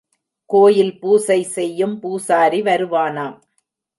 கோயில் பூசை செய்யும் பூசாரி வருவானாம்.